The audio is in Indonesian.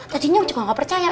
tadinya juga gak percaya